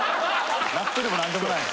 ラップでも何でもない。